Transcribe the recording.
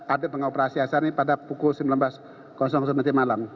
adat pengoperasi hasilnya pada pukul sembilan belas nanti malam